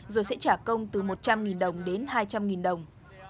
rồi sẽ trả công từ một trăm linh đồng đến hai trăm linh đồng